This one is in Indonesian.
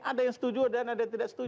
ada yang setuju dan ada yang tidak setuju